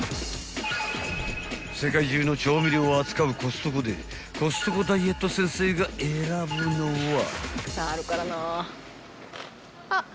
［世界中の調味料を扱うコストコでコストコダイエット先生が選ぶのは］